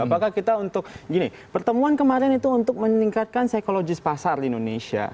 apakah kita untuk gini pertemuan kemarin itu untuk meningkatkan psikologis pasar di indonesia